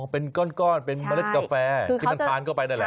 เป็นก้อนเป็นเมล็ดกาแฟที่มันทานเข้าไปนั่นแหละ